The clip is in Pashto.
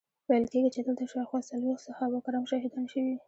ویل کیږي چې دلته شاوخوا څلویښت صحابه کرام شهیدان شوي.